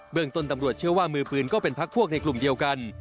เมืองต้นตำรวจเชื่อว่ามือปืนก็เป็นพักพวกในกลุ่มเดียวกัน